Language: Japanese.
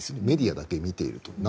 メディアだけ見ていると。